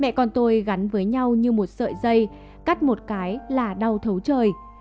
mẹ con tôi gắn với nhau như một sợi dây cắt một cái là đau thấu trời